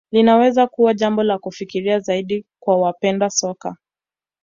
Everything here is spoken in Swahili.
Linaweza kuwa jambo la kufikirika zaidi kwa wapenda soka